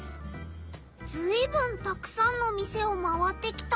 ずいぶんたくさんの店を回ってきたんだなあ。